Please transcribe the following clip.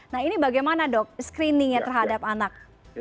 nah ini bagaimana dok screeningnya terhadap anak